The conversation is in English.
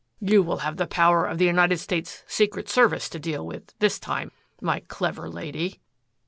You will have the power of the United States Secret Service to deal with, this time, my clever lady."